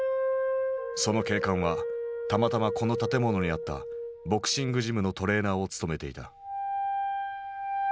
その警官はたまたまこの建物にあったボクシングジムのトレーナーを務めていた。